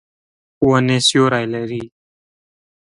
ونې سیوری لري.